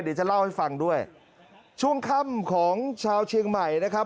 เดี๋ยวจะเล่าให้ฟังด้วยช่วงค่ำของชาวเชียงใหม่นะครับ